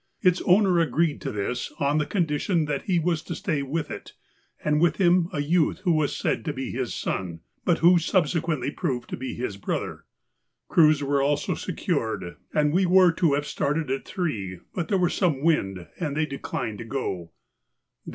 Its owner agreed to this on the condition that he was to stay with it, and with him a youth who was said to be his son, but who subsequently proved to be his brother. Crews were also secured, and we were to have started at three, but there was some wind and they declined to go.